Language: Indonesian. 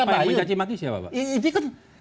siapa yang mencacimaki siapa pak